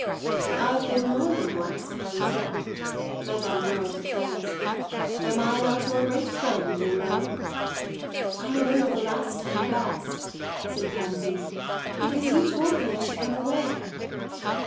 "I've been more than once, Pansy," Madame Merle declared. "Am I not your great friend in Rome?" "I remember the last time best," said Pansy, "because you told me I should come away."